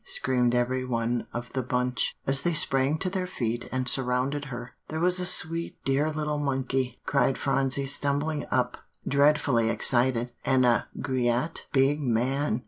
screamed every one of the bunch, as they sprang to their feet and surrounded her. "There was a sweet dear little monkey," cried Phronsie stumbling up, dreadfully excited "and a gre at big man.